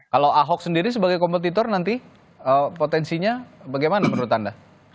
kalau ahok sendiri sebagai kompetitor nanti potensinya bagaimana menurut anda